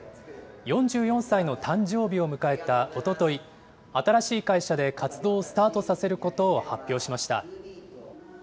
４４歳の誕生日を迎えたおととい、新しい会社で活動をスタートさせることを発表しました。